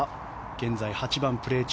現在、８番をプレー中。